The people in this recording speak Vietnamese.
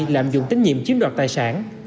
lạm dụng tín nhiệm chiếm đoạt tài sản